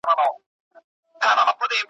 چا تر خولې را بادوله سپین ځګونه .